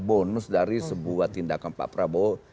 bonus dari sebuah tindakan pak prabowo